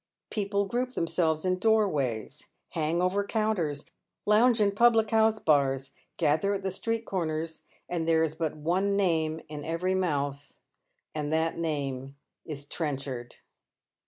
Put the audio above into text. People group themselves in doorways, hang over counters, lounge in pubUc house bars, gather at the street comers, and there is but one name in every mouth, and that name is Trenchard.